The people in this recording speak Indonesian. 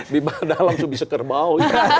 di dalam bisa kerbau